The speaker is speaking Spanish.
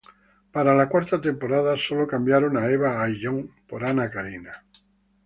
Para la Cuarta Temporada Solo cambiaron a Eva Ayllón por Anna Carina.